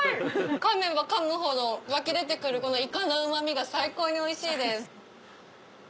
噛めば噛むほど湧き出て来るイカのうま味が最高においしいです。